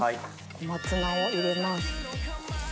小松菜を入れます。